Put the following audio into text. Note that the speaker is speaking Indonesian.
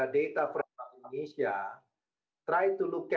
di perjalanan di kapal